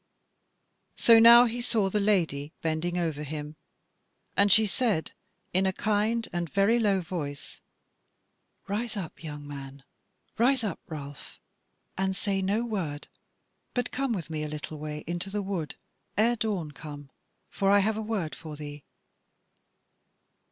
So now he saw the Lady bending over him, and she said in a kind and very low voice: "Rise up, young man, rise up, Ralph, and say no word, but come with me a little way into the wood ere dawn come, for I have a word for thee."